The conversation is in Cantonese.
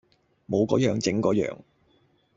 冇個樣整個樣